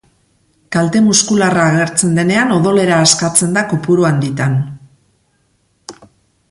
Kalte muskularra agertzen denean odolera askatzen da kopuru handitan.